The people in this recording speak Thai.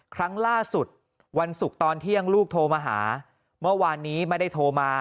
ครั้งล่าสุดวันศุกร์ตอนเที่ยงลูกโทรมาหาเมื่อวานนี้ไม่ได้โทรมา